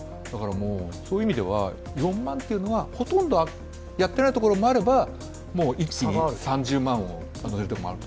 そういう意味では４万というのはほとんどやっていないところもあれば３０万というのもある。